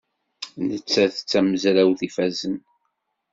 Nettat d tamezrawt ifazen.